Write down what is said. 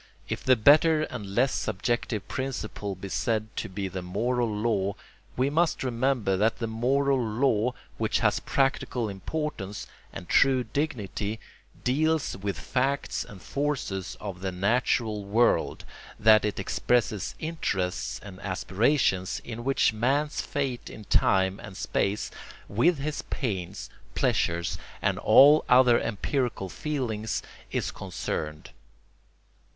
If the better and less subjective principle be said to be the moral law, we must remember that the moral law which has practical importance and true dignity deals with facts and forces of the natural world, that it expresses interests and aspirations in which man's fate in time and space, with his pains, pleasures, and all other empirical feelings, is concerned.